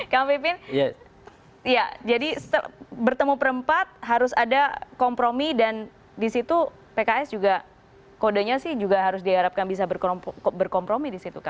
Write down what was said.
kamu pimpin jadi bertemu perempat harus ada kompromi dan di situ pks juga kodenya sih harus diharapkan bisa berkompromi di situ